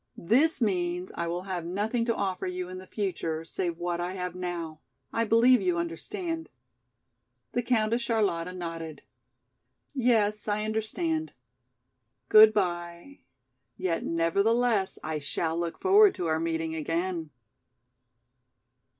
This means I will have nothing to offer you in the future, save what I have now, I believe you understand." The Countess Charlotta nodded. "Yes, I understand. Goodby, yet nevertheless I shall look forward to our meeting again."